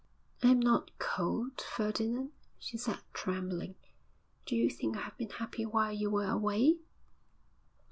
'I am not cold, Ferdinand,' she said, trembling. 'Do you think I have been happy while you were away?'